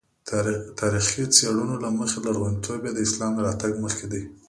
تاریخي څېړنو له مخې لرغونتوب یې د اسلام له راتګ مخکې دی.